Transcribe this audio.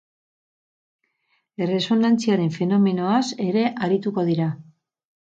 Erresonantziaren fenomenoaz ere arituko dira.